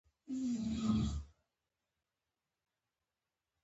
کاذبه او نمایشي دینداري وه ځنې ځورېده.